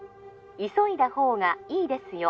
☎急いだほうがいいですよ